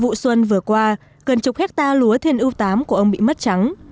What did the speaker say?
vụ xuân vừa qua gần chục hectare lúa thiên yêu viii của ông bị mất trắng